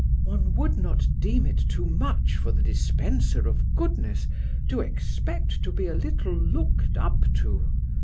" One would not deem it too much for the dispenser of goodness to expect to be a little looked up to!"